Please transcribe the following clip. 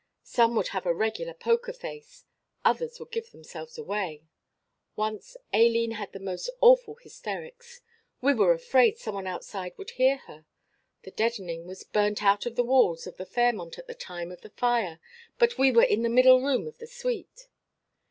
Some would have a regular 'poker face,' others would give themselves away. Once Aileen had the most awful hysterics. We were afraid some one outside would hear her; the deadening was burnt out of the walls of the Fairmont at the time of the fire. But we were in the middle room of the suite.